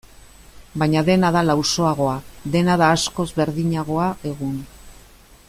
Baina dena da lausoagoa, dena da askoz berdinagoa egun.